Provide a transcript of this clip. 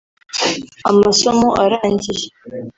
Amasomo arangiye